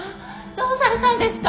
どうされたんですか？